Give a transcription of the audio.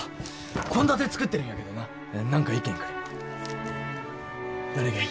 献立作ってるんやけどな何か意見くれどれがいい？